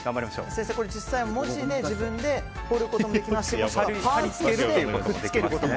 先生、実際に文字で自分で彫ることもできますしパーツとして貼りつけることも。